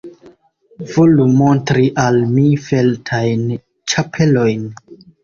Volu montri al mi feltajn ĉapelojn.